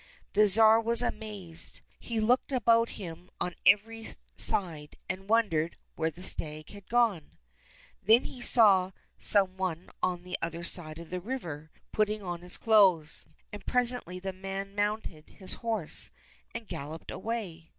The Tsar was amazed. He looked about him on every side, and wondered where the stag had gone. Then he saw some one on the other side of the river putting on his clothes, and presently the man mounted his horse and galloped away.